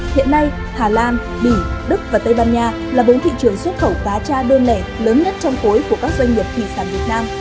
hiện nay hà lan bỉ đức và tây ban nha là bốn thị trường xuất khẩu cá cha đơn lẻ lớn nhất trong khối của các doanh nghiệp thủy sản việt nam